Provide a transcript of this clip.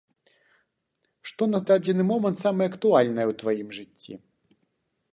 Што на дадзены момант самае актуальнае ў тваім жыцці?